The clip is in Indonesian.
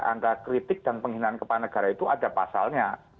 angka kritik dan penghinaan kepala negara itu ada pasalnya